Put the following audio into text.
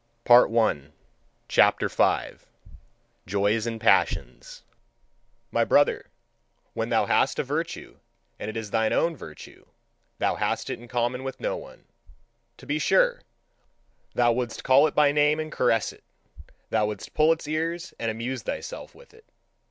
Thus spake Zarathustra. V. JOYS AND PASSIONS. My brother, when thou hast a virtue, and it is thine own virtue, thou hast it in common with no one. To be sure, thou wouldst call it by name and caress it; thou wouldst pull its ears and amuse thyself with it.